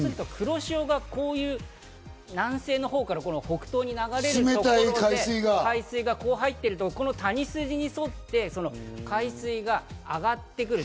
黒潮が、こういう南西のほうから北東に流れるところで、海水が入って来ると谷筋に沿って海水が上がってくる。